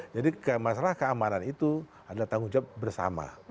jadi masalah keamanan itu adalah tanggung jawab bersama